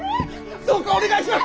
どうかお願いします！